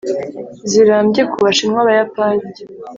zirambye ku bashinwa, abayapani,